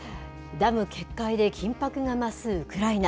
ダム決壊で緊迫が増すウクライナ。